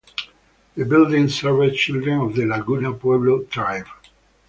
The building served children of the Laguna Pueblo tribe.